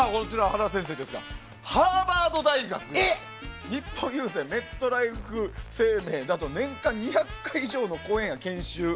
原先生ですがハーバード大学、日本郵政メットライフ生命など年間２００回以上の講演や研修